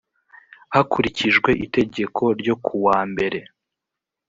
hakurikijwe itegeko ryo ku wa mbere